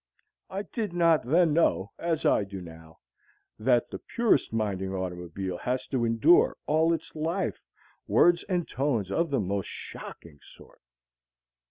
I did not then know, as I do now, that the purest minded automobile has to endure all its life words and tones of the most shocking sort.